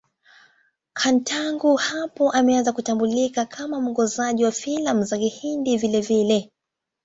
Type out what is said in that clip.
Khan tangu hapo ameanza kutambulika kama mwongozaji wa filamu za Kihindi vilevile.